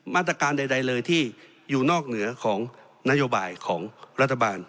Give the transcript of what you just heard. มาตรการใดเลยที่อยู่นอกเหนือของนโยบายของรัฐบาล